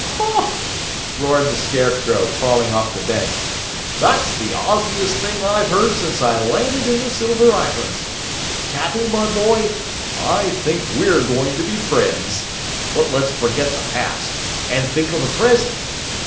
"Hoh!" roared the Scarecrow, falling off the bench. "That's the Ozziest thing I've heard since I landed in the Silver Islands. Tappy, my boy, I believe we are going to be friends! But let's forget the past and think of the present!"